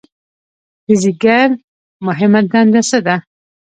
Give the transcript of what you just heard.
د ځیګر مهمه دنده څه ده؟